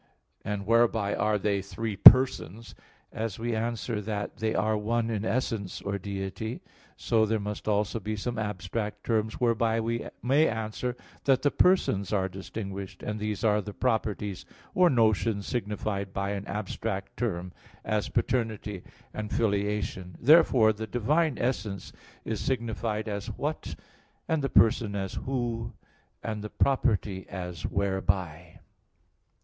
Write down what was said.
and whereby are They three persons?" as we answer that They are one in essence or deity; so there must also be some abstract terms whereby we may answer that the persons are distinguished; and these are the properties or notions signified by an abstract term, as paternity and filiation. Therefore the divine essence is signified as "What"; and the person as "Who"; and the property as "Whereby."